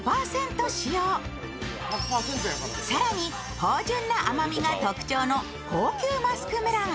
芳じゅんな甘みが特徴の高級マスクメロン